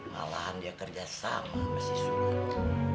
malahan dia kerja sama sama si suma